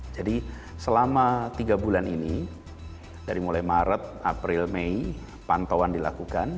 jadi selama tiga bulan ini dari mulai maret april mei pantauan dilakukan